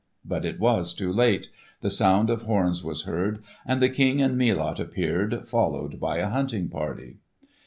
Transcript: But it was too late; the sound of horns was heard, and the King and Melot appeared, followed by a hunting party.